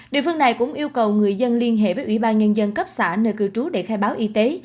địa phương này cũng yêu cầu người dân liên hệ với ủy ban nhân dân cấp xã nơi cư trú để khai báo y tế